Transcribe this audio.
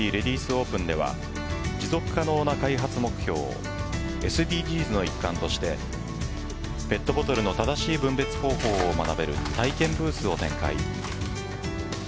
オープンでは持続可能な開発目標ＳＤＧｓの一環としてペットボトルの正しい分別方法を学べる体験ブースを展開。